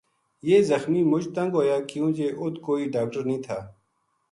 یہ زخمی مُچ تنگ ہویا کیوں جے اُت کوئی ڈاکٹر نیہہ تھا